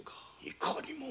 いかにも。